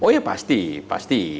oh ya pasti pasti